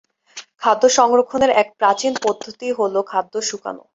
খাদ্য সংরক্ষনের এক প্রাচীন পদ্ধতি হল খাদ্য শুকানো।